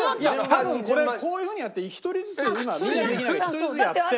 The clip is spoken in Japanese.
多分これこういうふうにやって１人ずつ１人ずつやって。